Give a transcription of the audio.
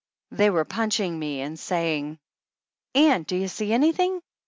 They were punching me and saying, "Ann, do you see anything?"